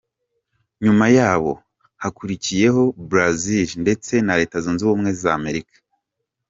Nyuma yabo hakurikiyeho Brazil ndetse na leta Zunze Ubumwe za Amerika